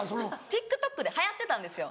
ＴｉｋＴｏｋで流行ってたんですよ。